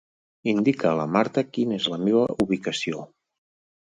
Indica a la Marta quina és la meva ubicació.